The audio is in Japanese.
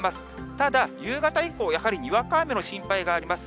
ただ、夕方以降、やはりにわか雨の心配があります。